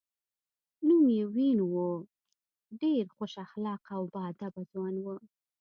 نوم یې وین وون و، ډېر خوش اخلاقه او با ادبه ځوان و.